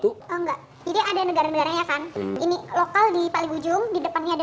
enggak jadi ada negara negaranya kan ini lokal di paling ujung di depannya ada